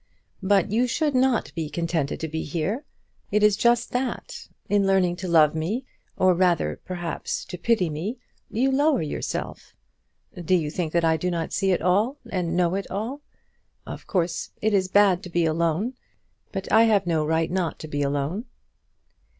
"But you should not be contented to be here. It is just that. In learning to love me, or rather, perhaps, to pity me, you lower yourself. Do you think that I do not see it all, and know it all? Of course it is bad to be alone, but I have no right not to be alone."